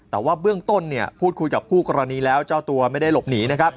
แต่ว่าเบื้องต้นเนี่ยพูดคุยกับคู่กรณีแล้วเจ้าตัวไม่ได้หลบหนีนะครับ